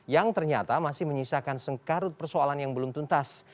yang ternyata masih menyisakan sengkarut persoalan yang belum tuntas